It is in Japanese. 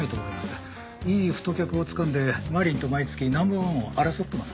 いい太客をつかんで愛鈴と毎月ナンバー１を争ってます。